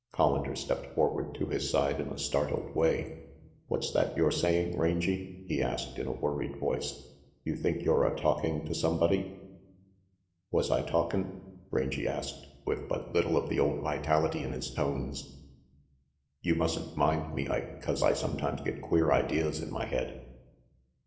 Collander stepped forward to his side in a startled way. "What's that you're saying, Rangy?" he asked, in a worried voice. "You think you're a talking to somebody?" "Was I talkin'?" Rangy asked, with but little of the old vitality in his tones. "You mustn't mind me, Ike, 'cause I sometimes get queer ideas in my head.